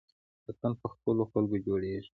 وطن په خپلو خلکو جوړیږي